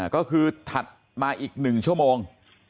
ก็คือถัดมาอีก๑ชั่วโมง